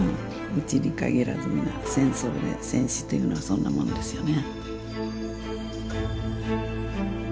うちに限らず皆戦争で戦死というのはそんなもんですよね。